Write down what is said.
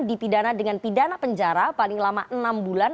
dipidana dengan pidana penjara paling lama enam bulan